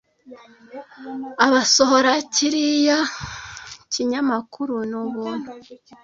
Abasohora kiriya kinyamakuru ni ubuntu.